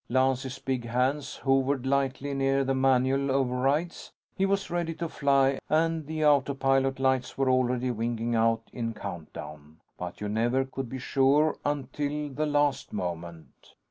Lance's big hands hovered lightly near the manual over rides. He was ready to fly, and the autopilot lights were already winking out in count down. But you never could be sure until the last moment.